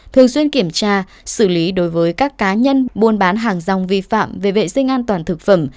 thường xuyên kiểm tra xử lý đối với các cá nhân buôn bán hàng rong vi phạm về vệ sinh an toàn thực phẩm